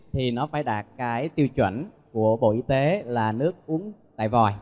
thì nó phải đạt cái tiêu chuẩn của bộ y tế là nước uống tại vòi